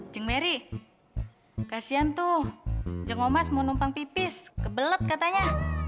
jeng merry kasihan tuh jeng omas mau numpang pipis kebelet katanya